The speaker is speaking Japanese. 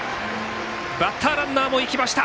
バッターランナーもいきました。